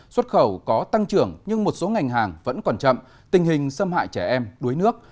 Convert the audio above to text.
xuất khẩu có tăng trưởng nhưng một số ngành hàng vẫn còn chậm tình hình xâm hại trẻ em đuối nước